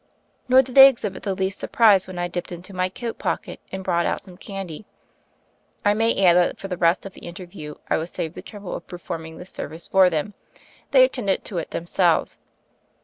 Nor did they exhibit the least surprise when I dipped into my coat pocket and brought out some candy. I may add that for the rest of the inter view I was saved the trouble of performing this service for them ; they attended to it themselves.